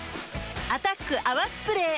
「アタック泡スプレー」